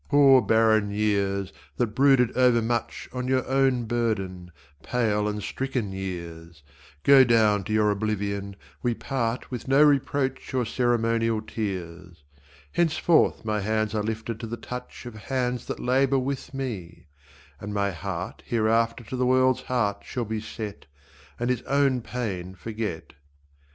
Poor barren years that brooded over much On your own burden, pale and stricken years Go down to your oblivion, we part With no reproach or ceremonial tears. Henceforth my hands are lifted to the touch Of hands that labour with me, and my heart Hereafter to the world's heart shall be set And its own pain forget.